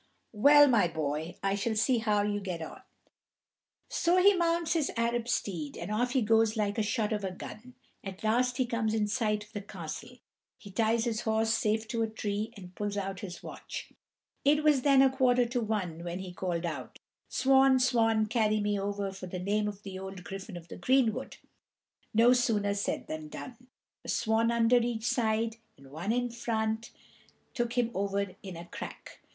"Well, my boy, I shall see how you will get on." So he mounts his Arab steed, and off he goes like a shot out of a gun. At last he comes in sight of the castle. He ties his horse safe to a tree, and pulls out his watch. It was then a quarter to one, when he called out, "Swan, swan, carry me over, for the name of the old Griffin of the Greenwood." No sooner said than done. A swan under each side, and one in front, took him over in a crack.